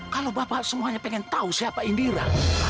kalau bapak semuanya pengen tahu siapa indira